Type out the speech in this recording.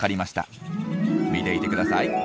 見ていてください。